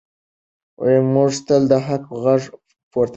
موږ تل د حق غږ پورته کړی دی.